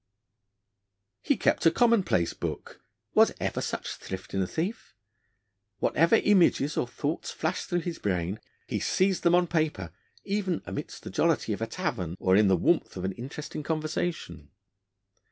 He kept a commonplace book! Was ever such thrift in a thief? Whatever images or thoughts flashed through his brain, he seized them on paper, even 'amidst the jollity of a tavern, or in the warmth of an interesting conversation.'